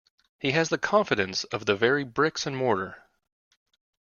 He has the confidence of the very bricks and mortar.